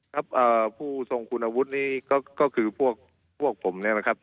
ครับผู้ทรงคุณวุฒินี้ก็คือพวกผมเนี่ยนะครับ